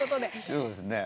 そうですね。